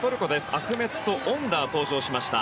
アフメット・オンダーが登場しました。